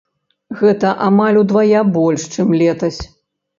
Гэта амаль удвая больш, чым летась.